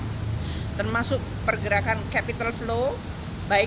kepala pemerintah kita akan mencari keuntungan untuk mencapai keuntungan yang lebih baik